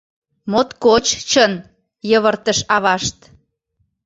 — Моткоч чын, — йывыртыш авашт.